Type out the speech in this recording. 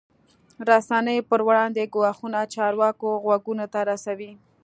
رسنۍ پر وړاندې ګواښونه چارواکو غوږونو ته رسوي.